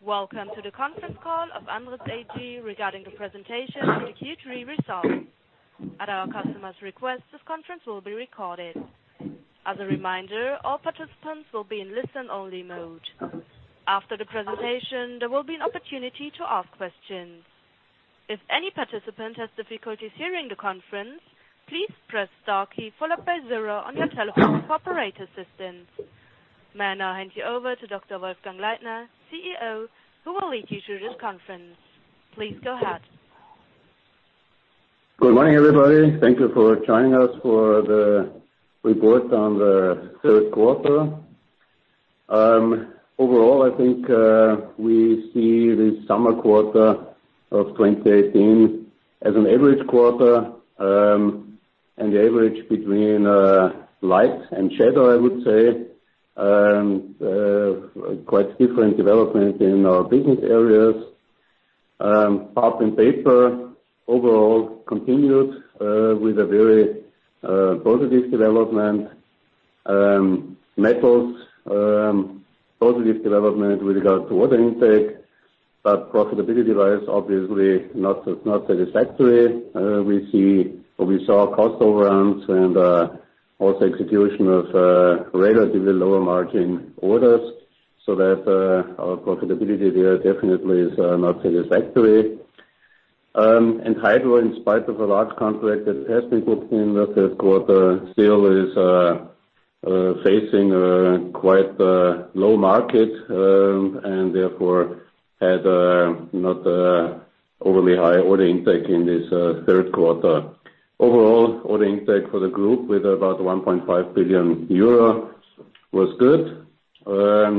Welcome to the conference call of Andritz AG regarding the presentation of the Q3 results. At our customers' request, this conference will be recorded. As a reminder, all participants will be in listen-only mode. After the presentation, there will be an opportunity to ask questions. If any participant has difficulties hearing the conference, please press star key followed by zero on your telephone for operator assistance. May I now hand you over to Dr. Wolfgang Leitner, CEO, who will lead you through this conference. Please go ahead. Good morning, everybody. Thank you for joining us for the report on the third quarter. Overall, I think we see this summer quarter of 2018 as an average quarter and the average between light and shadow, I would say, quite different development in our business areas. Pulp & Paper, overall, continued with a very positive development. Metals, positive development with regard to order intake, profitability-wise, obviously not satisfactory. We saw cost overruns and also execution of relatively lower margin orders, our profitability there definitely is not satisfactory. Hydro, in spite of a large contract that has been booked in the third quarter, still is facing a quite low market and therefore had not overly high order intake in this third quarter. Overall, order intake for the group with about 1.5 billion euro was good. Let's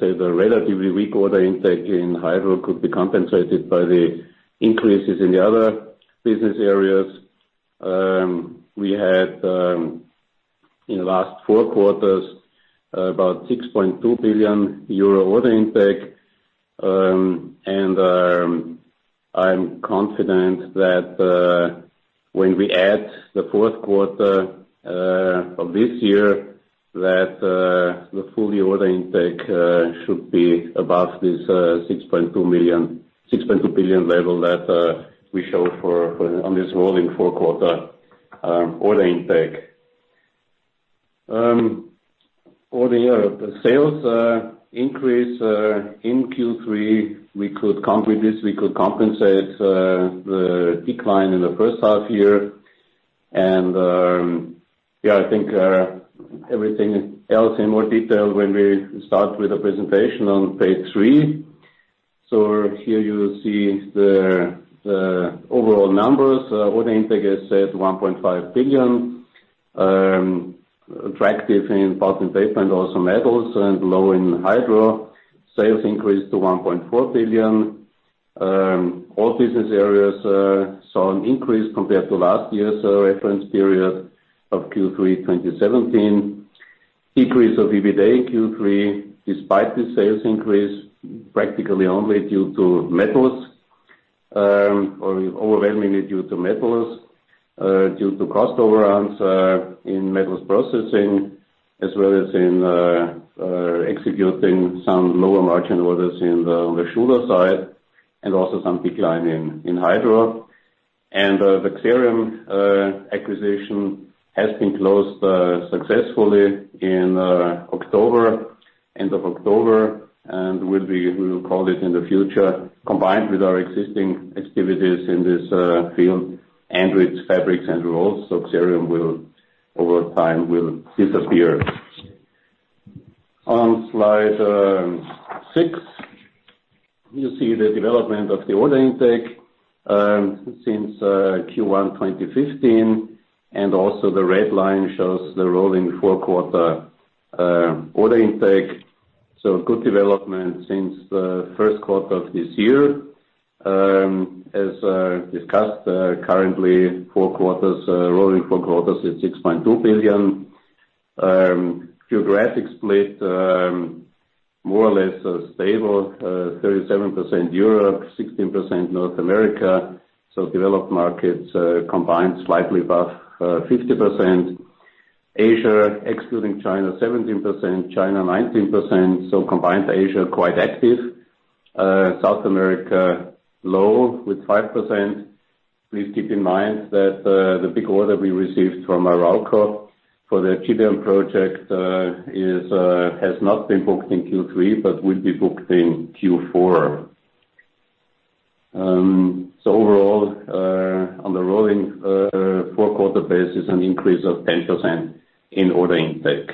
say the relatively weak order intake in Hydro could be compensated by the increases in the other business areas. We had in the last four quarters about 6.2 billion euro order intake. I'm confident that when we add the fourth quarter of this year, that the full year order intake should be above this 6.2 billion level that we show on this rolling four quarter order intake. For the year, the sales increase in Q3, we could compensate the decline in the first half year. I think everything else in more detail when we start with the presentation on page three. Here you see the overall numbers. Order intake, as I said, 1.5 billion. Attractive in Pulp & Paper and also Metals and low in Hydro. Sales increased to 1.4 billion. All business areas saw an increase compared to last year's reference period of Q3 2017. Decrease of EBITDA in Q3, despite the sales increase, practically only due to Metals, overwhelmingly due to Metals, due to cost overruns in Metals Processing as well as in executing some lower margin orders on the sugar side and also some decline in Hydro. The Xerium acquisition has been closed successfully in October, end of October, and we will call it in the future, combined with our existing activities in this field, Andritz Fabrics and Rolls. Xerium over time will disappear. On slide six, you see the development of the order intake since Q1 2015, the red line shows the rolling four quarter order intake. Good development since the first quarter of this year. As discussed, currently rolling four quarters is 6.2 billion. Geographic split more or less stable, 37% Europe, 16% North America. Developed markets combined slightly above 50%. Asia excluding China, 17%, China 19%, combined Asia quite active. South America low with 5%. Please keep in mind that the big order we received from Arauco for the MAPA project has not been booked in Q3, but will be booked in Q4. Overall, on the rolling four quarter basis, an increase of 10% in order intake.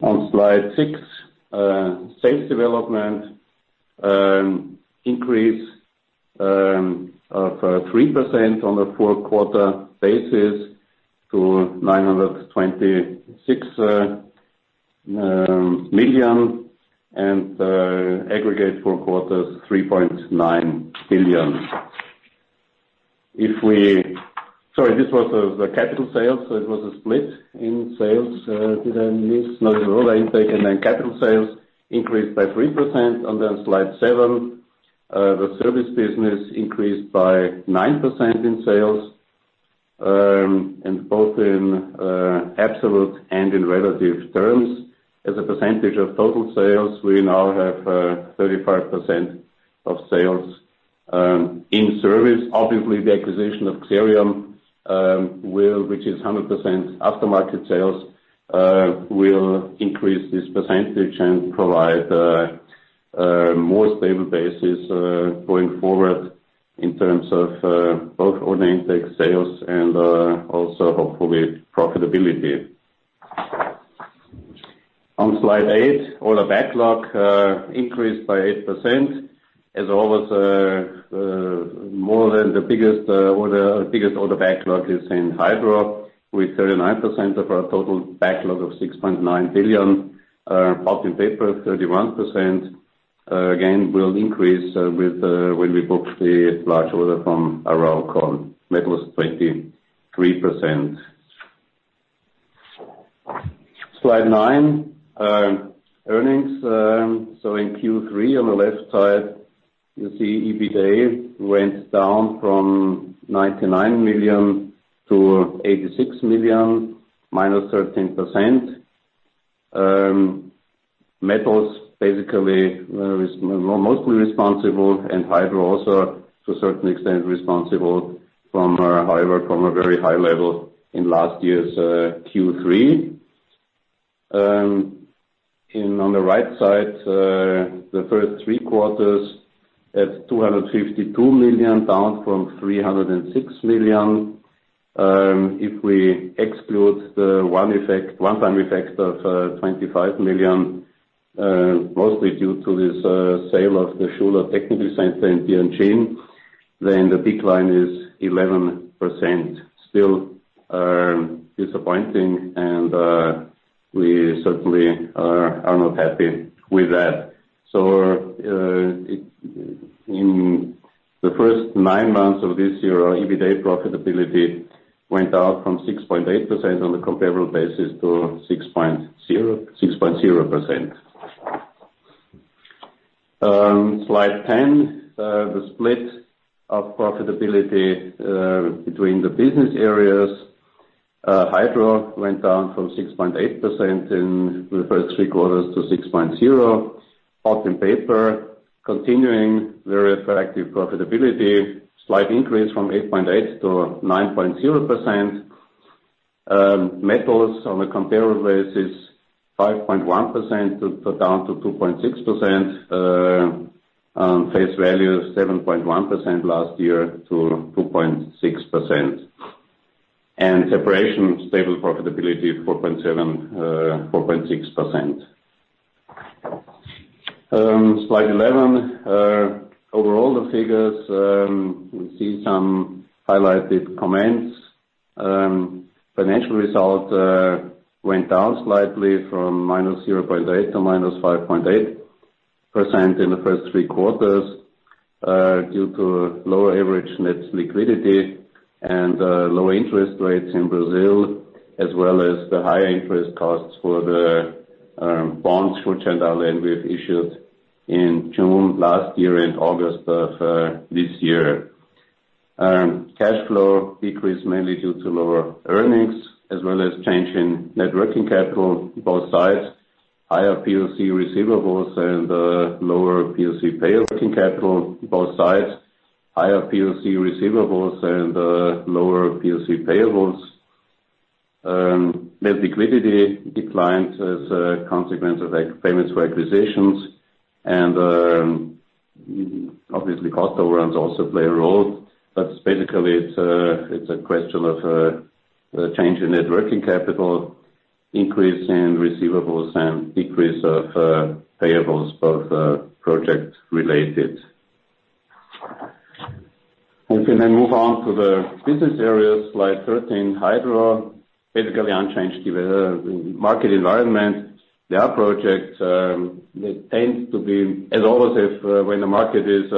On slide six, sales development increase of 3% on a four-quarter basis to 926 million and aggregate four quarters 3.9 billion. Sorry, this was the capital sales, so it was a split in sales. Did I miss? No. The order intake and then capital sales increased by 3%. On slide seven, the service business increased by 9% in sales, both in absolute and in relative terms. As a percentage of total sales, we now have 35% of sales in service. Obviously, the acquisition of Xerium, which is 100% aftermarket sales, will increase this percentage and provide a more stable basis going forward in terms of both order intake sales and also, hopefully, profitability. On slide eight, order backlog increased by 8%. As always, the biggest order backlog is in Hydro, with 39% of our total backlog of 6.9 billion. Pulp & Paper, 31%. Again, will increase when we book the large order from Arauco. Metals, 23%. Slide nine. Earnings. In Q3, on the left side, you see EBITA went down from 99 million to 86 million, minus 13%. Metals basically is mostly responsible and Hydro also to a certain extent responsible, however, from a very high level in last year's Q3. On the right side, the first three quarters at 252 million, down from 306 million. If we exclude the one-time effects of 25 million, mostly due to this sale of the Schuler technical center in Tianjin, then the decline is 11%. Still disappointing, and we certainly are not happy with that. In the first nine months of this year, our EBITA profitability went down from 6.8% on the comparable basis to 6.0%. Slide 10. The split of profitability between the business areas. Hydro went down from 6.8% in the first three quarters to 6.0%. Pulp & Paper, continuing very attractive profitability. Slight increase from 8.8% to 9.0%. Metals on a comparable basis, 5.1% down to 2.6%. On face value, 7.1% last year to 2.6%. Separation, stable profitability of 4.6%. Slide 11. Overall, the figures. We see some highlighted comments. Financial results went down slightly from minus 0.8% to minus 5.8% in the first three quarters due to lower average net liquidity and lower interest rates in Brazil, as well as the higher interest costs for the bonds for General Electric we have issued in June last year and August of this year. Cash flow decreased mainly due to lower earnings as well as change in net working capital in both sides. Higher POC receivables and lower POC payables. Net liquidity declined as a consequence of payments for acquisitions. Obviously cost overruns also play a role, but basically it's a question of a change in net working capital increase in receivables and decrease of payables, both project related. We can then move on to the business areas, slide 13. Hydro, basically unchanged given the market environment. The project tends to be, as always, if when the market is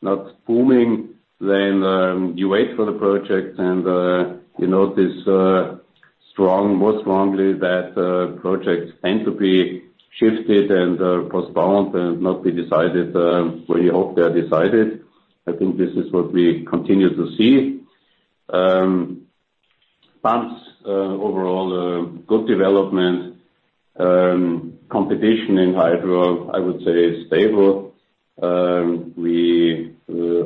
not booming, then you wait for the project and you notice more strongly that projects tend to be shifted and postponed and not be decided the way you hope they are decided. I think this is what we continue to see. Pumps, overall good development. Competition in Hydro, I would say is stable. We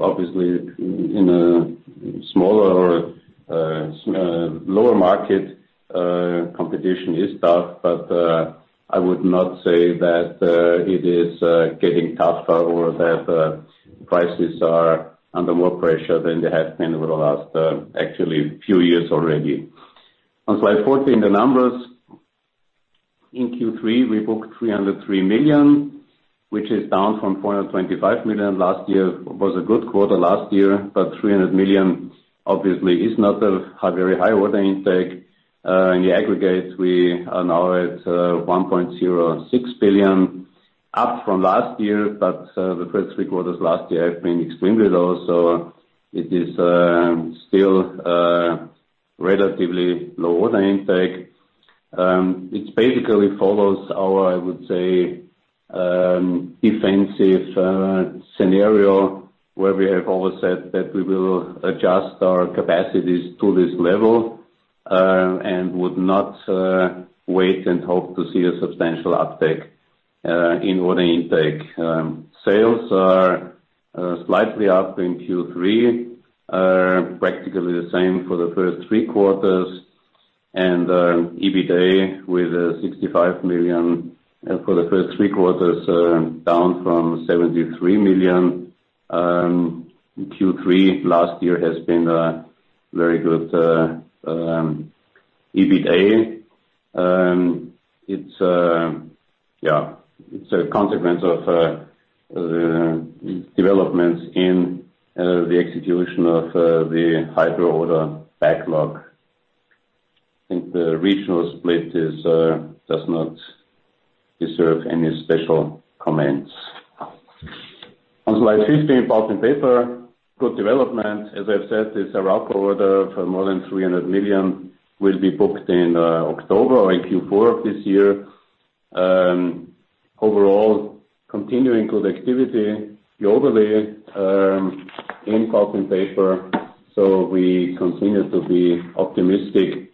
obviously in a smaller or lower market, competition is tough, but I would not say that it is getting tougher or that prices are under more pressure than they have been over the last actually few years already. On slide 14, the numbers. In Q3, we booked 303 million, which is down from 425 million last year. It was a good quarter last year, 300 million obviously is not a very high order intake. In the aggregate, we are now at 1.06 billion, up from last year. The first three quarters last year have been extremely low. It is still a relatively low order intake. It basically follows our, I would say, defensive scenario, where we have always said that we will adjust our capacities to this level, and would not wait and hope to see a substantial uptake in order intake. Sales are slightly up in Q3, practically the same for the first three quarters. EBITA, with 65 million for the first three quarters, down from 73 million. Q3 last year has been a very good EBITA. It's a consequence of developments in the execution of the Hydro order backlog. I think the regional split does not deserve any special comments. On slide 15, Pulp & Paper. Good development. As I've said, this Arauco order for more than 300 million will be booked in October or in Q4 of this year. Overall, continuing good activity. The overlay in Pulp & Paper. We continue to be optimistic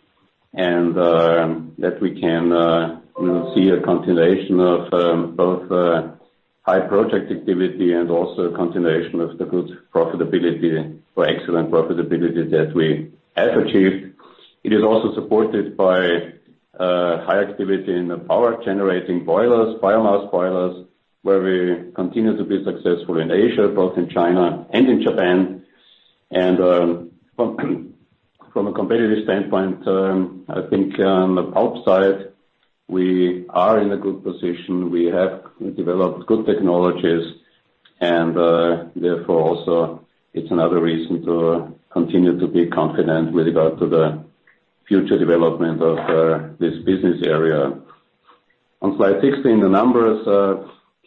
and that we can see a continuation of both high project activity and also a continuation of the good profitability or excellent profitability that we have achieved. It is also supported by high activity in the power generating boilers, biomass boilers, where we continue to be successful in Asia, both in China and in Japan. From a competitive standpoint, I think on the pulp side, we are in a good position. We have developed good technologies and therefore also it's another reason to continue to be confident with regard to the future development of this business area. On slide 16, the numbers.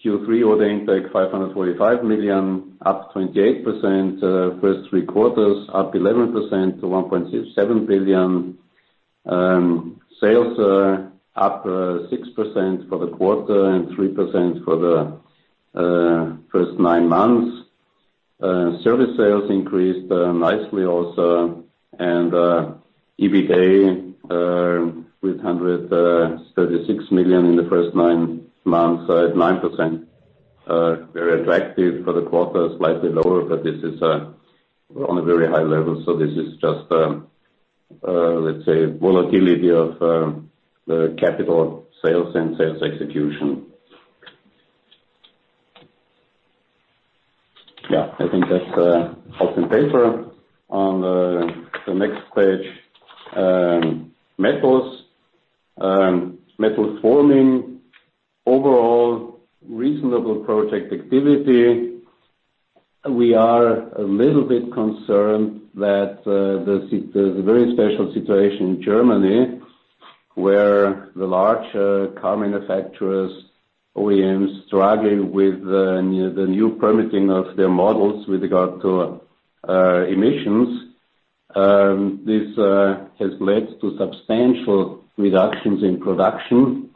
Q3 order intake 545 million, up 28%. First three quarters up 11% to 1.7 billion. Sales are up 6% for the quarter and 3% for the first nine months. Service sales increased nicely also. EBITA with 136 million in the first nine months at 9%, very attractive for the quarter, slightly lower. This is on a very high level. This is just, let's say, volatility of the capital sales and sales execution. I think that's Pulp & Paper. On the next page, Metals. Metal Forming, overall reasonable project activity. We are a little bit concerned that there's a very special situation in Germany, where the large car manufacturers, OEMs, struggling with the new permitting of their models with regard to emissions. This has led to substantial reductions in production,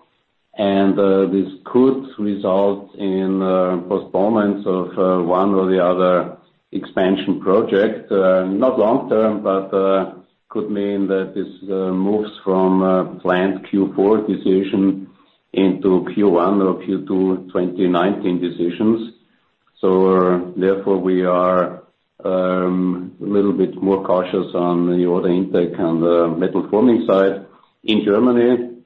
and this could result in postponement of one or the other expansion project. Not long term, but could mean that this moves from planned Q4 decision into Q1 or Q2 2019 decisions. Therefore, we are a little bit more cautious on the order intake on the Metal Forming side in Germany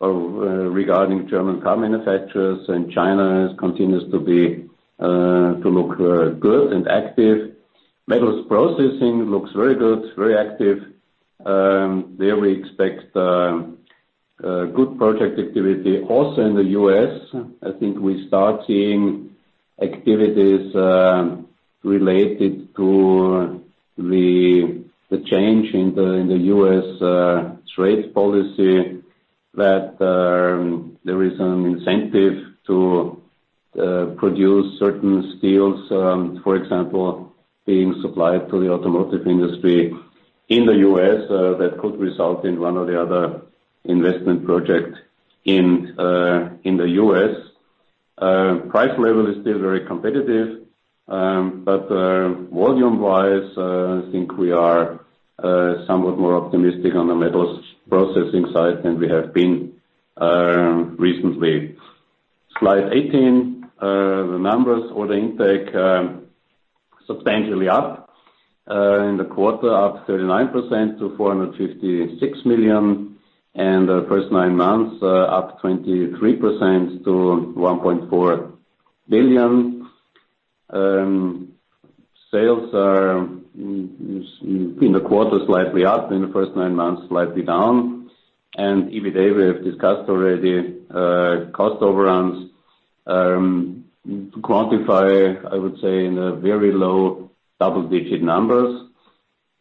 regarding German car manufacturers. China continues to look good and active. Metals Processing looks very good, very active. There we expect good project activity also in the U.S. I think we start seeing activities related to the change in the U.S. trade policy that there is an incentive to produce certain steels, for example, being supplied to the automotive industry in the U.S. that could result in one or the other investment project in the U.S. Price level is still very competitive. Volume wise, I think we are somewhat more optimistic on the Metals Processing side than we have been recently. Slide 18, the numbers. Order intake substantially up in the quarter, up 39% to 456 million, and first nine months up 23% to 1.4 billion. Sales are in the quarter slightly up, in the first nine months slightly down. EBITA, we have discussed already. Cost overruns quantify, I would say, in a very low double-digit numbers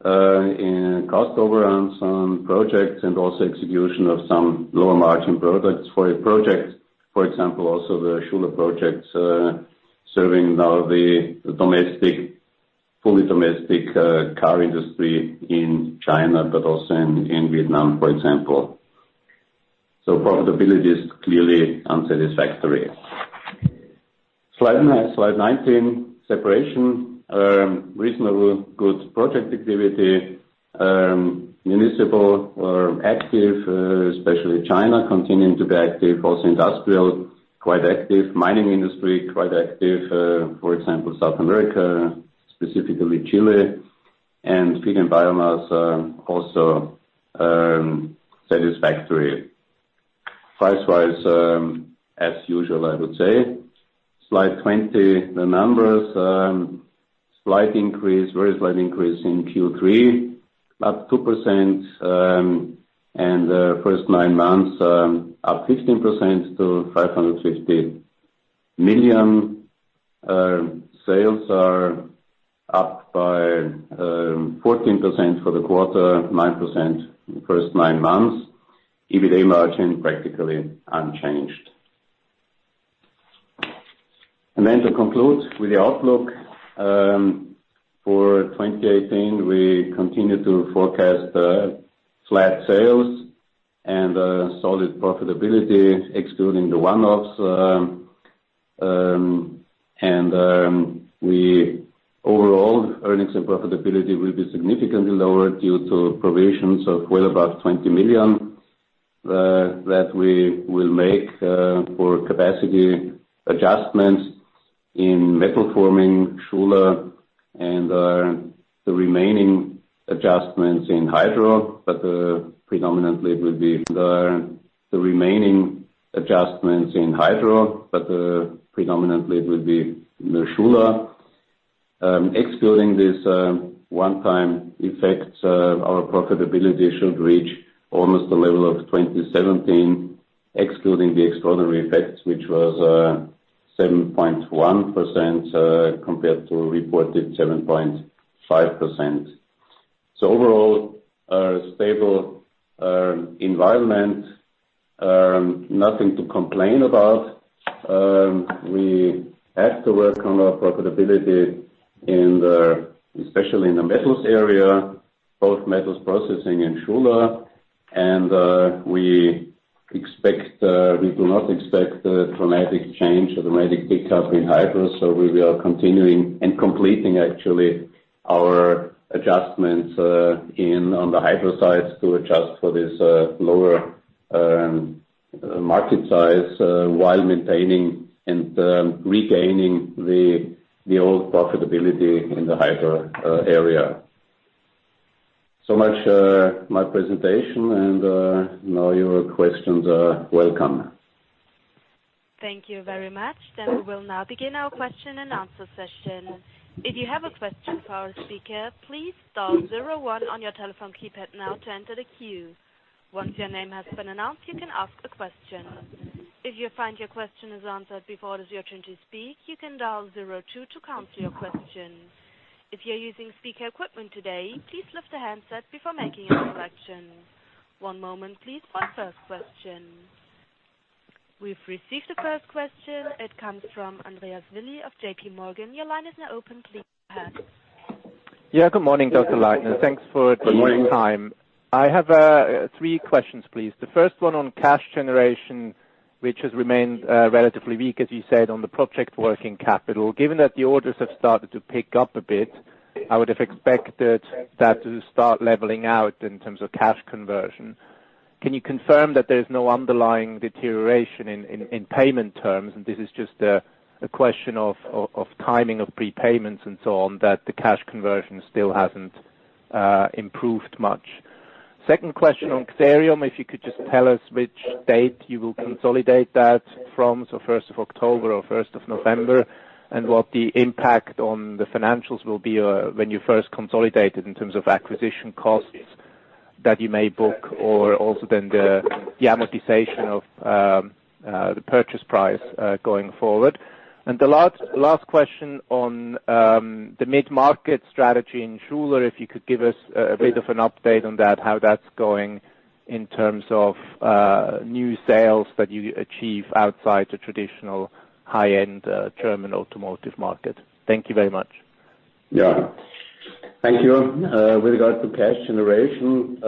in cost overruns on projects and also execution of some lower margin projects. For example, also the Schuler projects serving now the domestic car industry in China, but also in Vietnam, for example. Profitability is clearly unsatisfactory. Slide 19, Separation. Reasonable good project activity. Municipal active, especially China continuing to be active. Also industrial, quite active. Mining industry, quite active. For example, South America, specifically Chile. Feed & Biofuel also satisfactory. Price-wise, as usual, I would say. Slide 20, the numbers. Very slight increase in Q3, up 2% and the first nine months up 15% to 550 million. Sales are up by 14% for the quarter, 9% in the first nine months. EBITA margin practically unchanged. To conclude with the outlook. For 2018, we continue to forecast flat sales and solid profitability excluding the one-offs. Overall earnings and profitability will be significantly lower due to provisions of well above 20 million that we will make for capacity adjustments in Metal Forming, Schuler and the remaining adjustments in Hydro. Predominantly it will be the Schuler. Excluding this one-time effect, our profitability should reach almost the level of 2017, excluding the extraordinary effects, which was 7.1% compared to reported 7.5%. Overall, stable environment. Nothing to complain about. We have to work on our profitability, especially in the Metals area, both Metals Processing and Schuler. We do not expect a dramatic change, a dramatic pickup in Hydro. We are continuing and completing actually our adjustments on the Hydro side to adjust for this lower market size while maintaining and regaining the old profitability in the Hydro area. Much my presentation and now your questions are welcome. Thank you very much. We will now begin our question and answer session. If you have a question for our speaker, please dial zero one on your telephone keypad now to enter the queue. Once your name has been announced, you can ask a question. If you find your question is answered before it is your turn to speak, you can dial zero two to cancel your question. If you're using speaker equipment today, please lift the handset before making a selection. One moment please for our first question. We've received the first question. It comes from Andreas Willy of JPMorgan. Your line is now open, please go ahead. Good morning, Dr. Leitner. Thanks for the time. Good morning. I have three questions, please. The first one on cash generation, which has remained relatively weak, as you said, on the project working capital. Given that the orders have started to pick up a bit, I would have expected that to start leveling out in terms of cash conversion. Can you confirm that there's no underlying deterioration in payment terms, and this is just a question of timing of prepayments and so on, that the cash conversion still hasn't improved much? Second question on Xerium. If you could just tell us which date you will consolidate that from. 1st of October or 1st of November, and what the impact on the financials will be when you first consolidate it in terms of acquisition costs that you may book or also then the amortization of the purchase price going forward. The last question on the mid-market strategy in Schuler. If you could give us a bit of an update on that, how that's going in terms of new sales that you achieve outside the traditional high-end German automotive market. Thank you very much. Thank you. With regards to cash generation,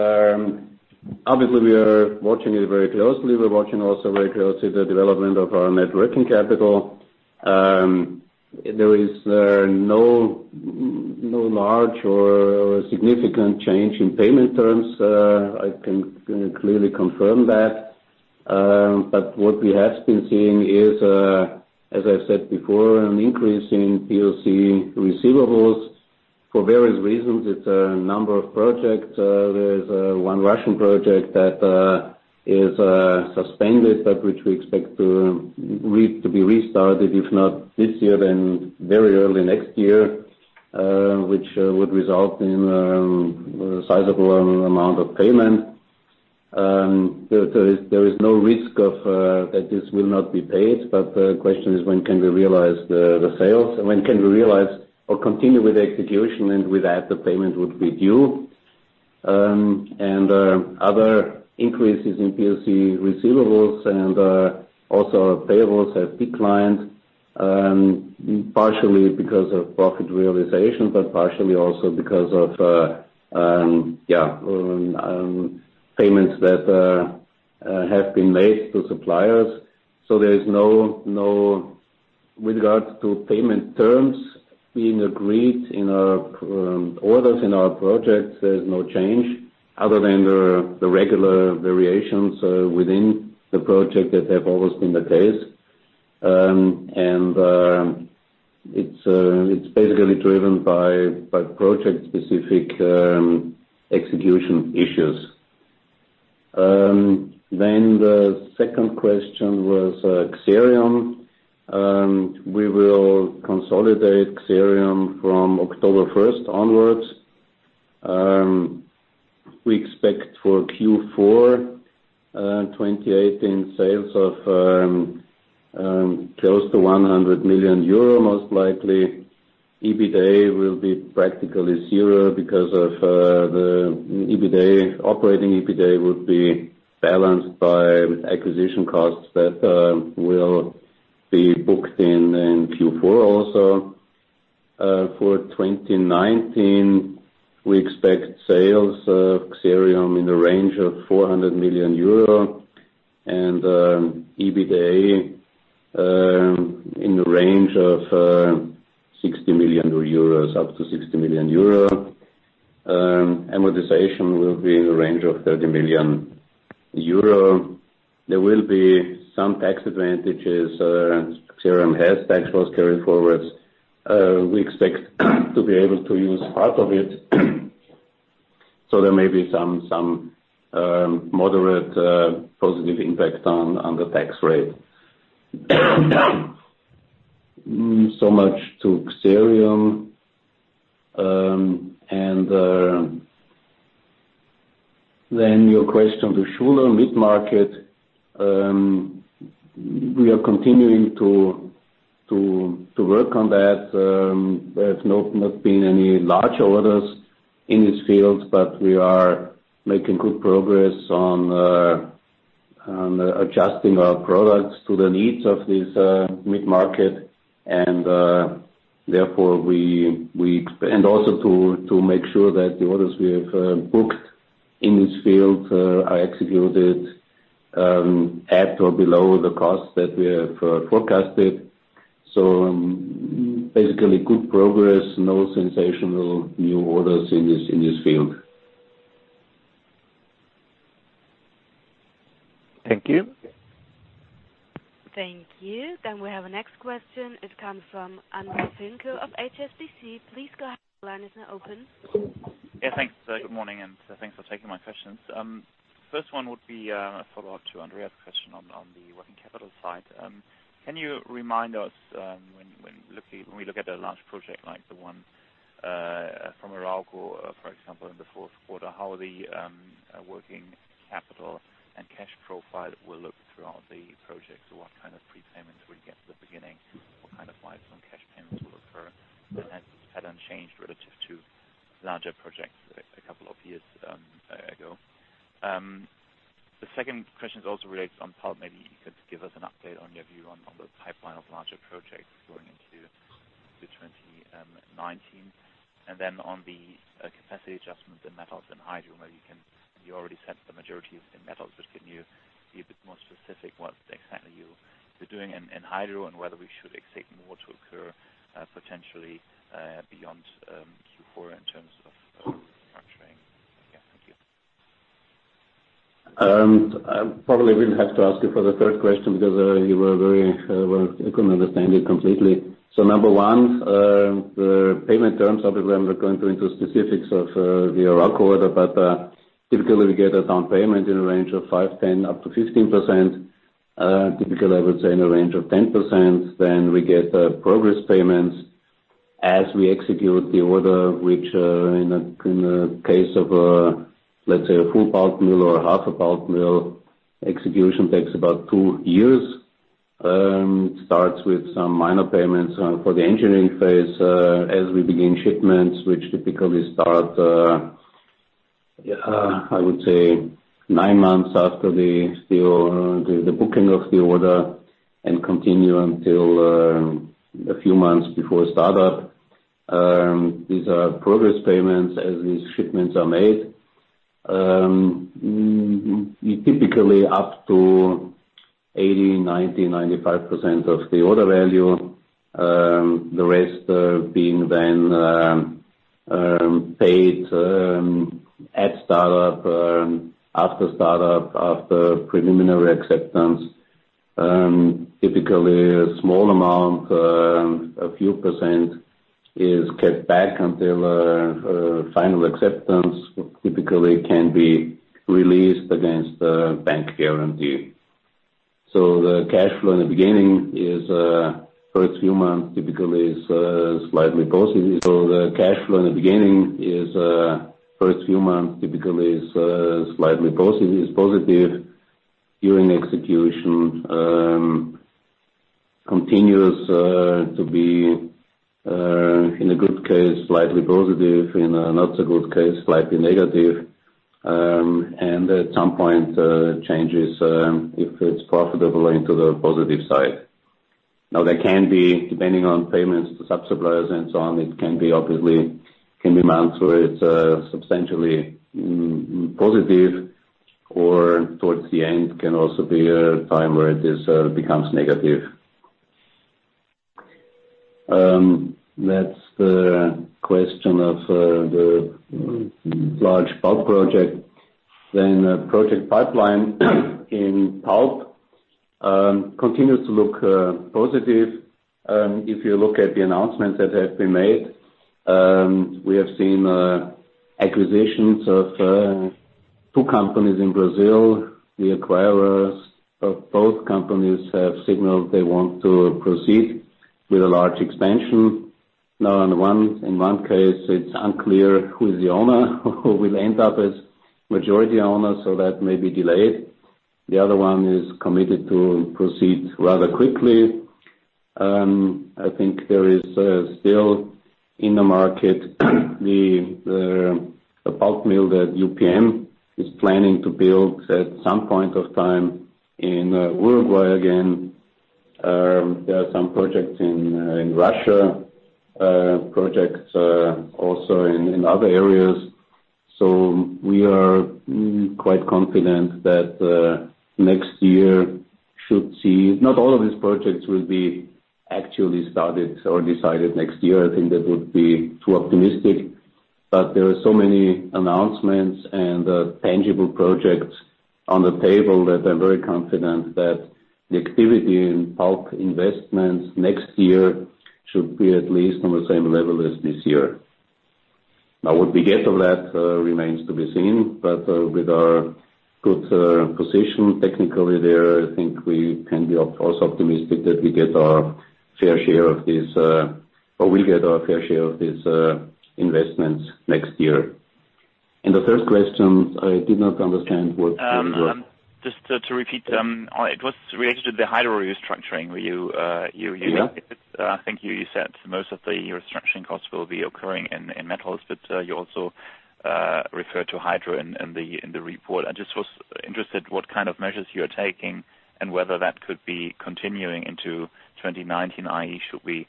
obviously we are watching it very closely. We're watching also very closely the development of our net working capital. There is no large or significant change in payment terms. I can clearly confirm that. What we have been seeing is, as I said before, an increase in POC receivables for various reasons. It's a number of projects. There's one Russian project that is suspended, but which we expect to be restarted, if not this year, then very early next year, which would result in a sizable amount of payment. There is no risk that this will not be paid, but the question is when can we realize the sales? When can we realize or continue with the execution and with that, the payment would be due. Other increases in POC receivables and also our payables have declined. Partially because of profit realization, but partially also because of payments that have been made to suppliers. With regards to payment terms being agreed in our orders, in our projects, there's no change other than the regular variations within the project that have always been the case. It's basically driven by project-specific execution issues. The second question was Xerium. We will consolidate Xerium from October 1st onwards. We expect for Q4 2018 sales of close to 100 million euro, most likely. EBITA will be practically zero because the operating EBITA would be balanced by acquisition costs that will be booked in Q4 also. For 2019, we expect sales of Xerium in the range of 400 million euro and EBITA in the range of up to 60 million euro. Amortization will be in the range of 30 million euro. There will be some tax advantages. Xerium has tax loss carry-forwards. We expect to be able to use part of it. There may be some moderate positive impact on the tax rate. Much to Xerium. Your question to Schuler mid-market. We are continuing to work on that. There have not been any large orders in this field, we are making good progress on adjusting our products to the needs of this mid-market. Also to make sure that the orders we have booked in this field are executed at or below the cost that we have forecasted. Basically good progress, no sensational new orders in this field. Thank you. Thank you. We have a next question. It comes from Jörg-André Finke of HSBC. Please go ahead. Your line is now open. Thanks. Good morning, and thanks for taking my questions. First one would be a follow-up to Andreas' question on the working capital side. Can you remind us, when we look at a large project like the one from Arauco, for example, in the fourth quarter, how the working capital and cash profile will look throughout the project? What kind of prepayments will we get at the beginning? What kind of milestone cash payments will occur? Has the pattern changed relative to larger projects a couple of years ago? The second question also relates on pulp. Maybe you could give us an update on your view on the pipeline of larger projects going into 2019. On the capacity adjustments in Metals and Hydro. You already said the majority is in Metals, can you be a bit more specific what exactly you are doing in Hydro and whether we should expect more to occur potentially beyond Q4 in terms of structuring? Thank you. I probably will have to ask you for the third question because I couldn't understand it completely. Number one, the payment terms. Obviously, I'm not going to go into specifics of the Arauco order, but typically, we get a down payment in the range of 5%, 10%, up to 15%. Typically, I would say in the range of 10%. Then we get progress payments as we execute the order, which in the case of, let's say, a full pulp mill or a half a pulp mill, execution takes about 2 years. It starts with some minor payments for the engineering phase as we begin shipments, which typically start, I would say, nine months after the booking of the order and continue until a few months before startup. These are progress payments as these shipments are made. Typically up to 80%, 90%, 95% of the order value. The rest being then paid at startup, after startup, after preliminary acceptance. Typically, a small amount, a few percent is kept back until final acceptance. Typically, can be released against a bank guarantee. The cash flow in the beginning is first few months typically is slightly positive during execution. Continues to be, in a good case, slightly positive, in a not so good case, slightly negative. At some point, changes, if it's profitable, into the positive side. There can be, depending on payments to suppliers and so on, it can be obviously, can be months where it's substantially positive or towards the end can also be a time where this becomes negative. That's the question of the large pulp project. Project pipeline in pulp continues to look positive. If you look at the announcements that have been made, we have seen acquisitions of two companies in Brazil. The acquirers of both companies have signaled they want to proceed with a large expansion. In one case, it's unclear who is the owner or who will end up as majority owner, so that may be delayed. The other one is committed to proceed rather quickly. I think there is still in the market, the pulp mill that UPM is planning to build at some point of time in Uruguay again. There are some projects in Russia, projects also in other areas. We are quite confident that next year should see. Not all of these projects will be actually started or decided next year. I think that would be too optimistic. There are so many announcements and tangible projects on the table that I'm very confident that the activity in pulp investments next year should be at least on the same level as this year. What we get of that remains to be seen. With our good position technically there, I think we can be also optimistic that we get our fair share of these investments next year. The third question, I did not understand what the. Just to repeat, it was related to the Hydro restructuring where you Yeah. I think you said most of the restructuring costs will be occurring in Metals, but you also referred to Hydro in the report. I just was interested what kind of measures you are taking and whether that could be continuing into 2019, i.e., should we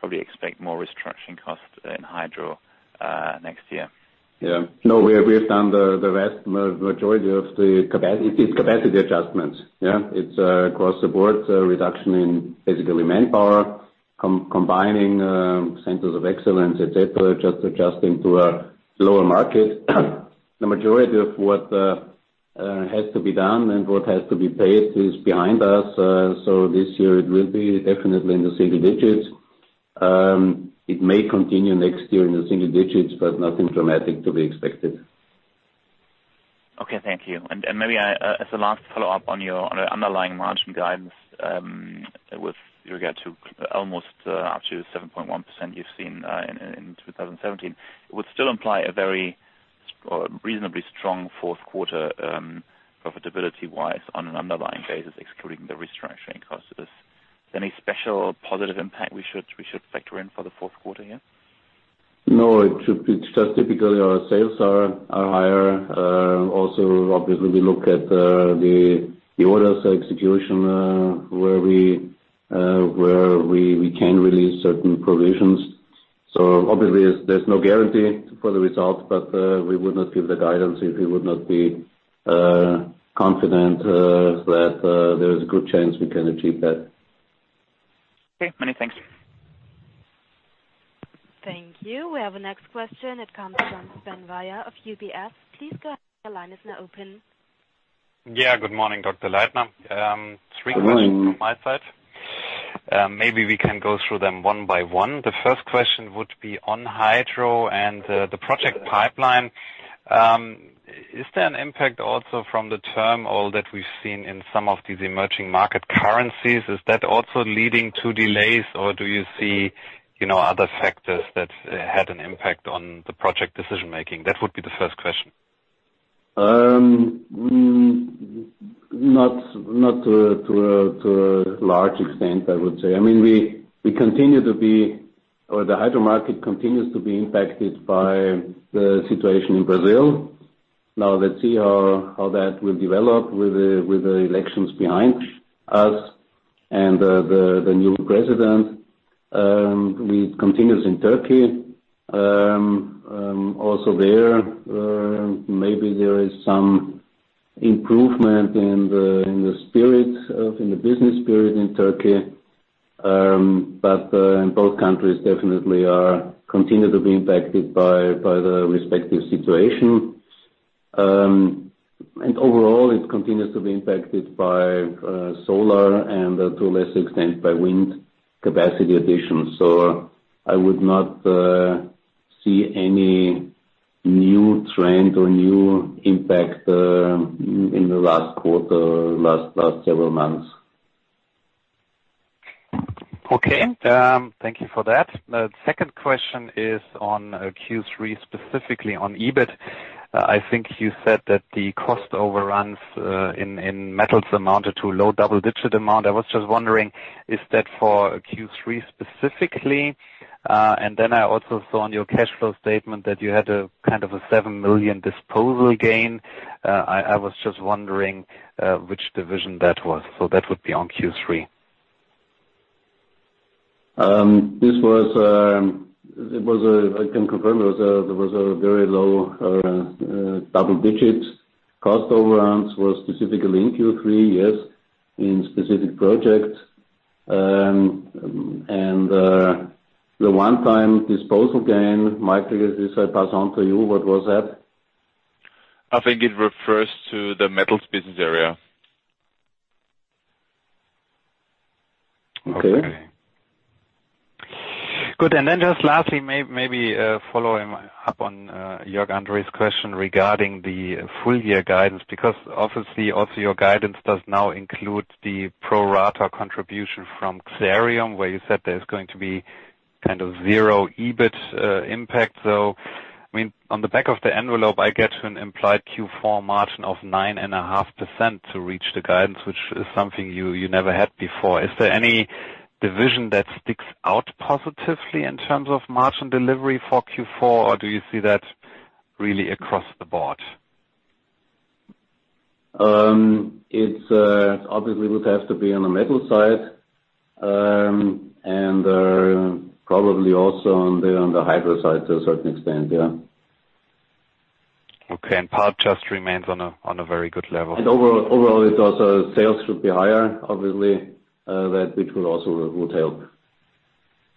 probably expect more restructuring costs in Hydro next year? Yeah. No, we have done the vast majority of the capacity adjustments. Yeah. It's across the board, a reduction in basically manpower, combining centers of excellence, et cetera, just adjusting to a lower market. The majority of what has to be done and what has to be paid is behind us. This year it will be definitely in the single digits. It may continue next year in the single digits, but nothing dramatic to be expected. Okay. Thank you. Maybe as a last follow-up on your underlying margin guidance, with regard to almost up to 7.1% you've seen in 2017. It would still imply a very reasonably strong fourth quarter, profitability-wise on an underlying basis, excluding the restructuring costs. Is any special positive impact we should factor in for the fourth quarter here? No, it should be just typically our sales are higher. Obviously we look at the orders execution, where we can release certain provisions. Obviously there's no guarantee for the results, but we would not give the guidance if we would not be confident that there is a good chance we can achieve that. Okay, many thanks. Thank you. We have a next question. It comes from Sven Weier of UBS. Please go ahead. Your line is now open. Yeah. Good morning, Dr. Leitner. Good morning. Three questions from my side. Maybe we can go through them one by one. The first question would be on Hydro and the project pipeline. Is there an impact also from the turmoil that we've seen in some of these emerging market currencies? Is that also leading to delays or do you see other factors that had an impact on the project decision-making? That would be the first question. Not to a large extent, I would say. The Hydro market continues to be impacted by the situation in Brazil. Let's see how that will develop with the elections behind us and the new president. It continues in Turkey. There, maybe there is some improvement in the business spirit in Turkey. Both countries definitely are continue to be impacted by the respective situation. Overall, it continues to be impacted by solar and to a lesser extent by wind capacity additions. I would not see any new trend or new impact in the last quarter, last several months. Okay. Thank you for that. The second question is on Q3, specifically on EBIT. I think you said that the cost overruns in Metals amounted to low double-digit amount. I was just wondering, is that for Q3 specifically? Then I also saw on your cash flow statement that you had a kind of a 7 million disposal gain. I was just wondering which division that was. That would be on Q3. I can confirm there was a very low double-digit cost overruns was specifically in Q3, yes, in specific projects. The one-time disposal gain, Michael, this I pass on to you. What was that? I think it refers to the Metals business area. Okay. Good. Then just lastly, maybe following up on Jörg-André's question regarding the full year guidance, because obviously also your guidance does now include the pro rata contribution from Xerium, where you said there's going to be kind of zero EBIT impact, though. On the back of the envelope, I get to an implied Q4 margin of 9.5% to reach the guidance, which is something you never had before. Is there any division that sticks out positively in terms of margin delivery for Q4, or do you see that really across the board? It obviously would have to be on the Metals side. Probably also on the Hydro side to a certain extent, yeah. Okay. Pulp just remains on a very good level. Overall, sales should be higher, obviously, which would also would help.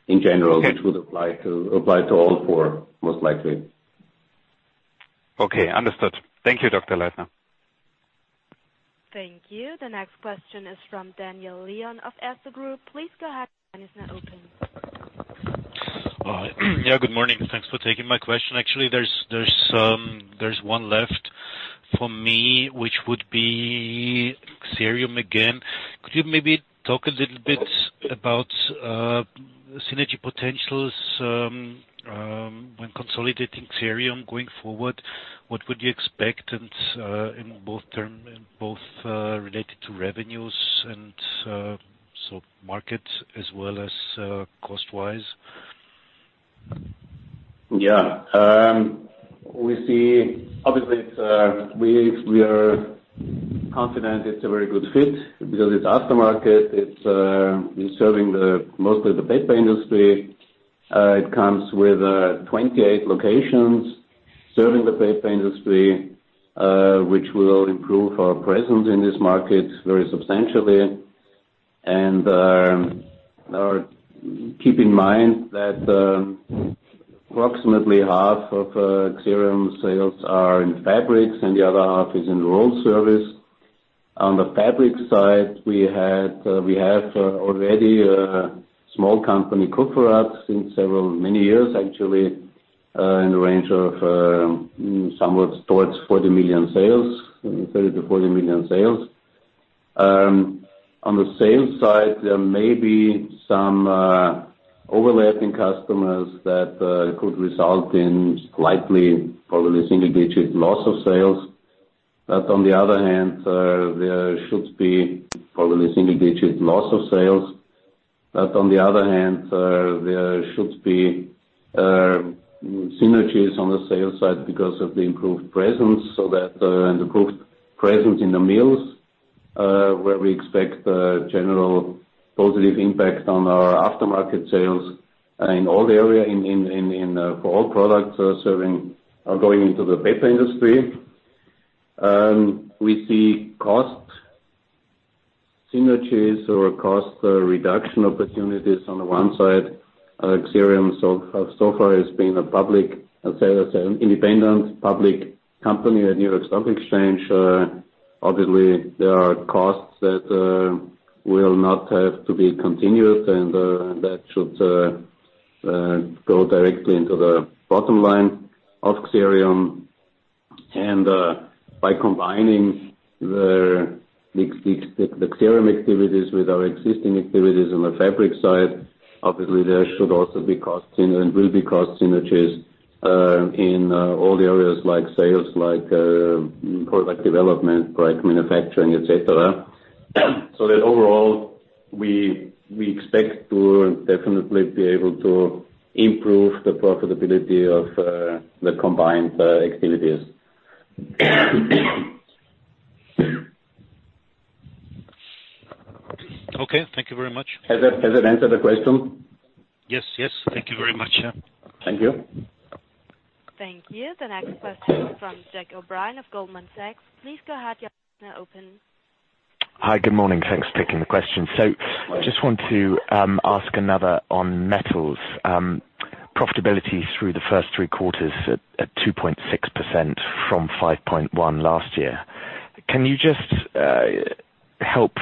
Okay which would apply to all four, most likely. Okay, understood. Thank you, Dr. Leitner. Thank you. The next question is from Daniel Leon of Erste Group. Please go ahead. Your line is now open. Yeah, good morning. Thanks for taking my question. Actually, there's one left for me, which would be Xerium again. Could you maybe talk a little bit about synergy potentials when consolidating Xerium going forward? What would you expect, and in both related to revenues and market as well as cost-wise? Yeah. Obviously, we are confident it's a very good fit because it's aftermarket. It's serving mostly the paper industry. It comes with 28 locations serving the paper industry, which will improve our presence in this market very substantially. Now keep in mind that approximately half of Xerium sales are in fabrics and the other half is in roll service. On the fabric side, we have already a small company, Kufferath, since several, many years actually, in the range of somewhat towards 30 million-40 million sales. On the sales side, there may be some overlapping customers that could result in slightly, probably single-digit loss of sales. On the other hand, there should be probably single-digit loss of sales. On the other hand, there should be synergies on the sales side because of the improved presence and improved presence in the mills, where we expect a general positive impact on our aftermarket sales in all the area for all products serving or going into the paper industry. We see cost synergies or cost reduction opportunities on the one side. Xerium so far has been an independent public company at New York Stock Exchange. Obviously, there are costs that will not have to be continued and that should go directly into the bottom line of Xerium. By combining the Xerium activities with our existing activities on the fabric side, obviously there should also be cost and will be cost synergies in all the areas like sales, like product development, like manufacturing, et cetera. That overall, we expect to definitely be able to improve the profitability of the combined activities. Okay. Thank you very much. Has that answered the question? Yes. Thank you very much. Thank you. Thank you. The next question comes from Jack O'Brien of Goldman Sachs. Please go ahead. Your line is now open. Hi, good morning. Thanks for taking the question. Just want to ask another on Metals. Profitability through the first three quarters at 2.6% from 5.1% last year. Can you just help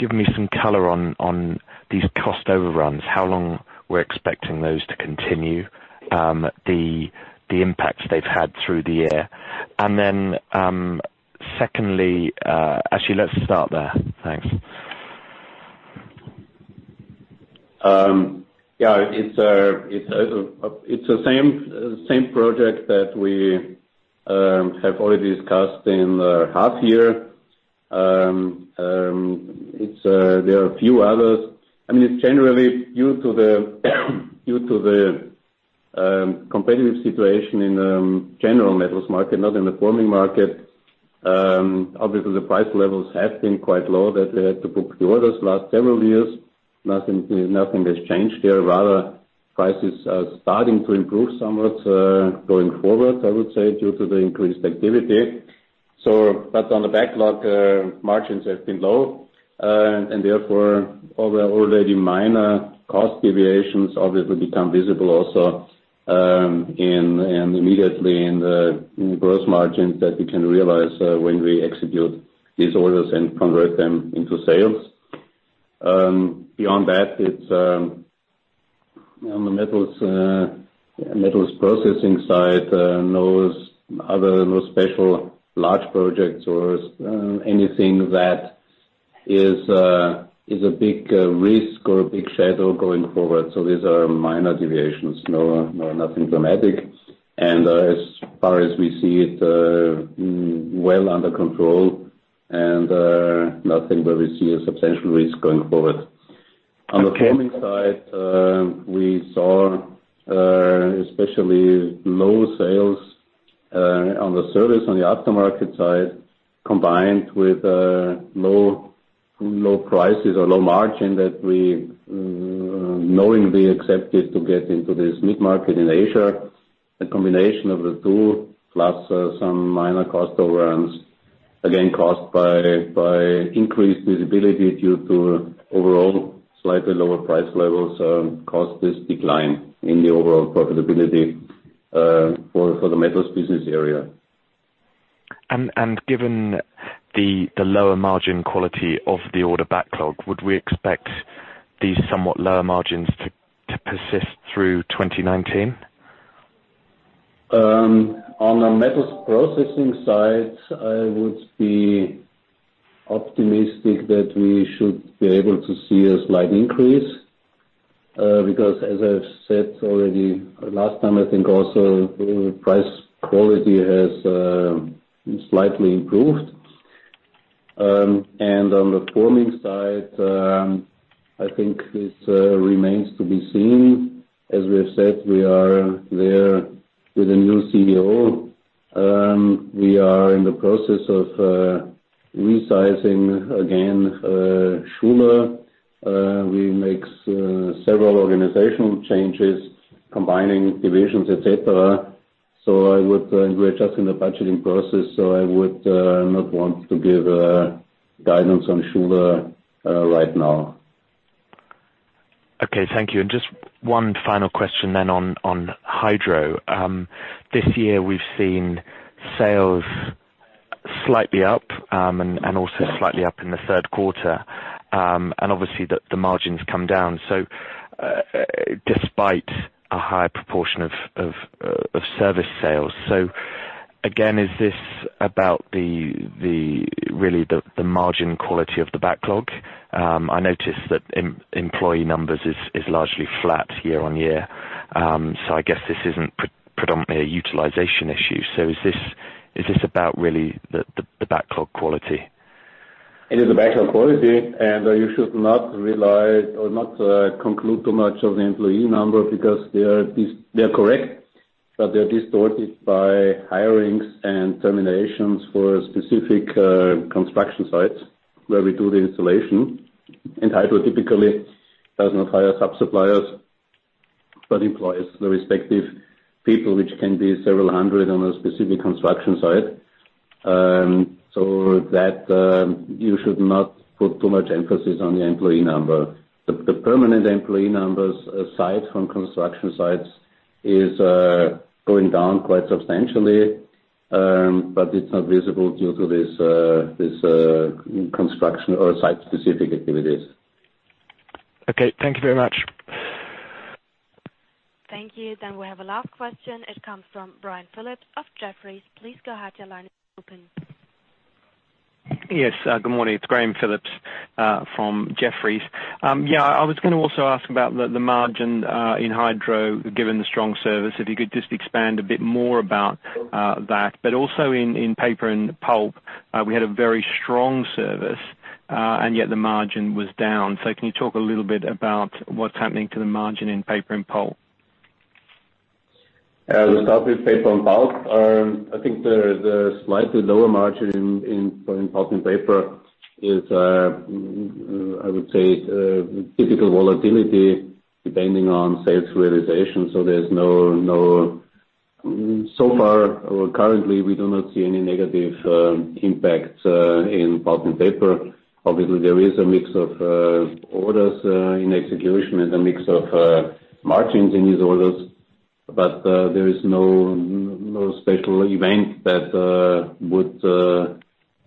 give me some color on these cost overruns, how long we're expecting those to continue, the impact they've had through the year? Secondly, let's start there. Thanks. Yeah, it's the same project that we have already discussed in the half year. There are a few others. It's generally due to the competitive situation in general Metals market, not in the forming market. Obviously, the price levels have been quite low that we had to book the orders the last several years. Nothing has changed there. Rather, prices are starting to improve somewhat going forward, I would say, due to the increased activity. On the backlog, margins have been low, and therefore, although already minor cost deviations obviously become visible also and immediately in the gross margins that we can realize when we execute these orders and convert them into sales. Beyond that, on the Metals Processing side, no special large projects or anything that is a big risk or a big shadow going forward. These are minor deviations, nothing dramatic. As far as we see it, well under control and nothing where we see a substantial risk going forward. Okay. On the Forming side, we saw especially low sales on the service on the aftermarket side, combined with low prices or low margin that we knowingly accepted to get into this mid-market in Asia. A combination of the two, plus some minor cost overruns, again, caused by increased visibility due to overall slightly lower price levels, caused this decline in the overall profitability for the Metals business area. Given the lower margin quality of the order backlog, would we expect these somewhat lower margins to persist through 2019? On the Metals Processing side, I would be optimistic that we should be able to see a slight increase, because as I've said already last time, I think also price quality has slightly improved. On the Forming side, I think this remains to be seen. As we have said, we are there with a new CEO. We are in the process of resizing again Schuler. We make several organizational changes, combining divisions, et cetera. We are just in the budgeting process, so I would not want to give guidance on Schuler right now. Okay, thank you. Just one final question then on Hydro. This year we've seen sales slightly up and also slightly up in the third quarter. Obviously the margin's come down, despite a higher proportion of service sales. Again, is this about really the margin quality of the backlog? I noticed that employee numbers is largely flat year-over-year. I guess this isn't predominantly a utilization issue. Is this about really the backlog quality? It is the backlog quality, you should not rely or not conclude too much of the employee number because they are correct, but they are distorted by hirings and terminations for specific construction sites where we do the installation. Hydro typically does not hire sub-suppliers, but employs the respective people, which can be several hundred on a specific construction site. You should not put too much emphasis on the employee number. The permanent employee numbers aside from construction sites is going down quite substantially, but it's not visible due to these construction or site-specific activities. Okay, thank you very much. Thank you. We have a last question. It comes from Graham Phillips of Jefferies. Please go ahead, your line is open. Yes. Good morning. It's Graham Phillips, from Jefferies. I was going to also ask about the margin in Hydro, given the strong service. If you could just expand a bit more about that. Also in Pulp & Paper, we had a very strong service, and yet the margin was down. Can you talk a little bit about what's happening to the margin in Pulp & Paper? The topic Pulp & Paper. I think the slightly lower margin in Pulp & Paper is, I would say, typical volatility depending on sales realization. Far or currently, we do not see any negative impact in Pulp & Paper. Obviously, there is a mix of orders in execution and a mix of margins in these orders, but there is no special event that would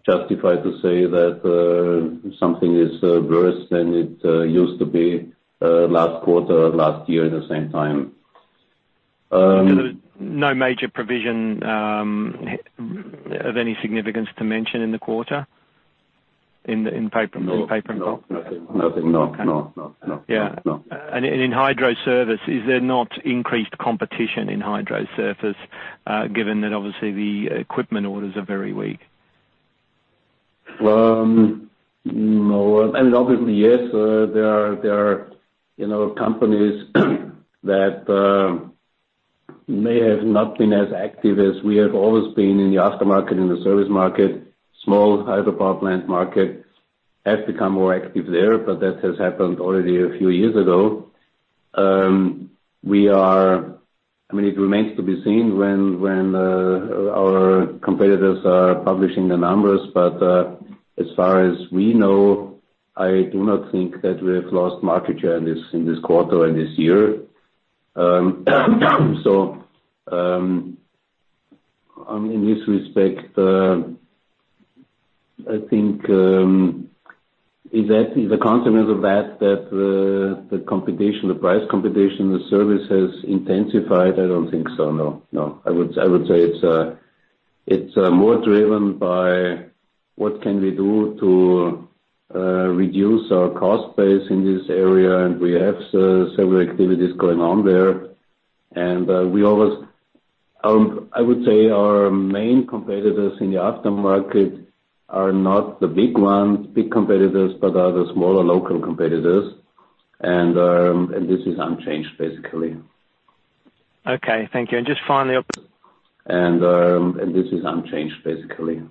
justify to say that something is worse than it used to be last quarter or last year at the same time. There was no major provision of any significance to mention in the quarter in Pulp & Paper? No. Nothing. No. Okay. No Yeah. In Hydro Service, is there not increased competition in Hydro Service, given that obviously the equipment orders are very weak? No. Obviously, yes, there are companies that may have not been as active as we have always been in the aftermarket, in the service market. Small hydropower plant market has become more active there, but that has happened already a few years ago. It remains to be seen when our competitors are publishing their numbers. As far as we know, I do not think that we have lost market share in this quarter or this year. In this respect, I think exactly the consequence of that, the price competition, the service has intensified. I don't think so, no. I would say it's more driven by what can we do to reduce our cost base in this area, and we have several activities going on there. I would say our main competitors in the aftermarket are not the big ones, big competitors, but are the smaller local competitors. This is unchanged, basically. Okay, thank you. Just finally- This is unchanged, basically.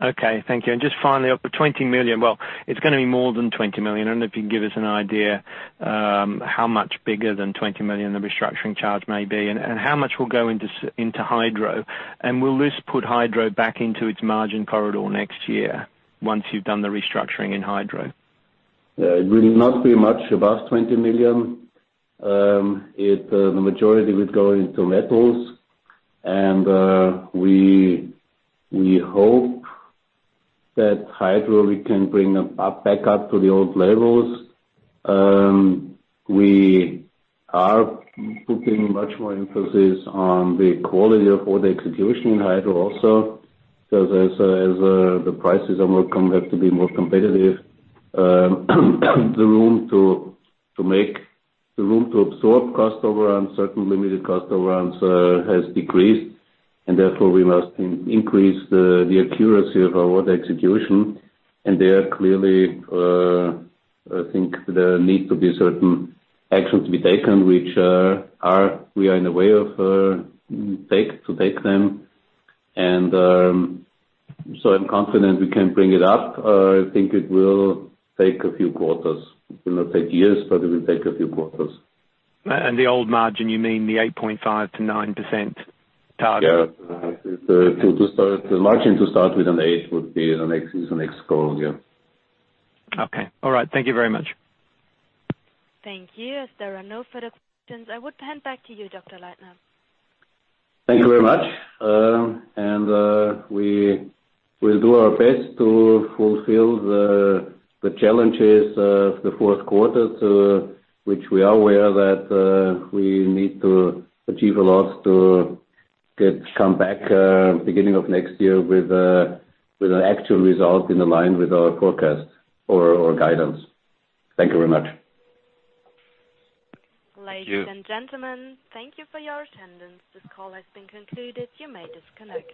Okay, thank you. Just finally, up to 20 million. Well, it is going to be more than 20 million. I don't know if you can give us an idea how much bigger than 20 million the restructuring charge may be, and how much will go into Hydro. Will this put Hydro back into its margin corridor next year once you have done the restructuring in Hydro? It will not be much above 20 million. The majority would go into Metals. We hope that Hydro, we can bring back up to the old levels. We are putting much more emphasis on the quality of order execution in Hydro also. As the prices have to be more competitive, the room to absorb cost overruns, certain limited cost overruns has decreased, and therefore we must increase the accuracy of our order execution. There clearly, I think there need to be certain actions to be taken, which we are in the way of to take them. I am confident we can bring it up. I think it will take a few quarters. It will not take years, but it will take a few quarters. The old margin, you mean the 8.5%-9% target? The margin to start with an eight would be the next goal. Thank you very much. Thank you. As there are no further questions, I would hand back to you, Dr. Leitner. Thank you very much. We will do our best to fulfill the challenges of the fourth quarter to which we are aware that we need to achieve a lot to come back beginning of next year with an actual result in line with our forecast or our guidance. Thank you very much. Ladies and gentlemen, thank you for your attendance. This call has been concluded. You may disconnect.